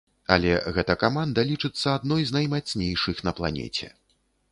Але гэта каманда лічыцца адной з наймацнейшых на планеце.